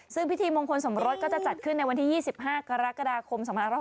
ซึ่งพิธีมงคลสมรสก็จะจัดขึ้นในวันที่๒๕กรกฎาคม๒๕๖๒